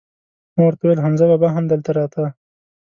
ما ور ته وویل: حمزه بابا هم دلته راته؟